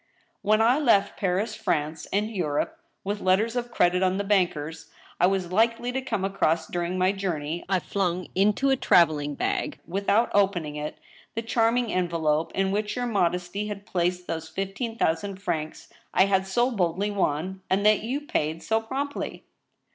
When I left Paris, France, and Europe, with letters of credit on the bankers I was likely to come across during my journey, I flung into a traveling bag, without opening it, the charming envelope in which your modesty had placed those fifteen thousand francs I had so boldly won, and that ypu paid so promptly.